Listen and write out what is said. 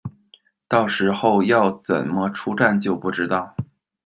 到时候要怎么出站就不知道